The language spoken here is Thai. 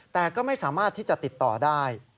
แต่ก็ไม่สามารถที่จะติดต่อได้